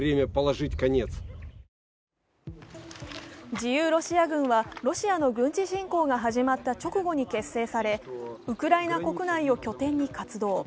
自由ロシア軍はロシアの軍事侵攻が始まった直後に結成されウクライナ国内を拠点に活動。